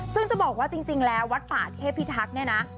ซึ่งจะบอกว่าจริงแล้ววัดป่าเทพิทักษ์เนี่ยนะ